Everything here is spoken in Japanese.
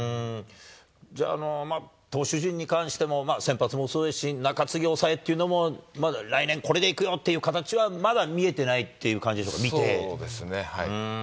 じゃあ、投手陣に関しても、先発もそうですし、中継ぎ、抑えっていうのも、まだ来年、これでいくよという形はまだ見えてないっていう感じでしょうか、そうですね。